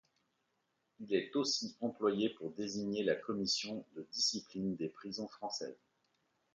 Il est aussi employé pour désigner la commission de discipline des prisons françaises.